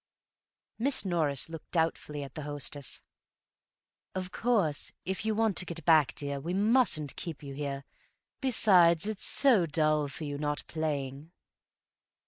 Miss Norris looked doubtfully at the hostess. "Of course, if you want to get back, dear, we mustn't keep you here. Besides, it's so dull for you, not playing."